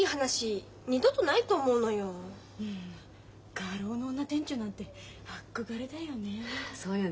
画廊の女店長なんて憧れだよね。